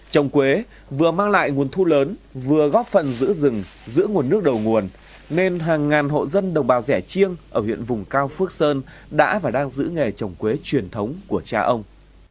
trồng quế vừa mang lại nguồn thu lớn vừa góp phần giữ rừng giữ nguồn nước đầu nguồn nên hàng ngàn hộ dân đồng bào rẻ chiêng ở huyện vùng cao phước sơn đã và đang giữ nghề trồng quế truyền thống của cha ông